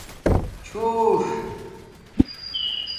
چھݸݽ